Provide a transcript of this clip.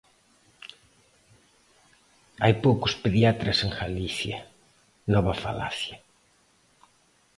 Hai poucos pediatras en Galicia: nova falacia.